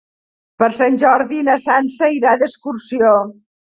Per Sant Jordi na Sança irà d'excursió.